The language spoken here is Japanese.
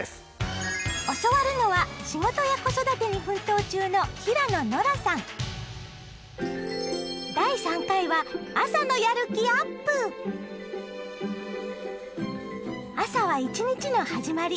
教わるのは仕事や子育てに奮闘中の朝は一日の始まり。